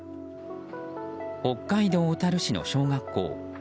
北海道小樽市の小学校。